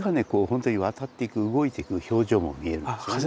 本当に渡っていく動いていく表情も見えるんですよね。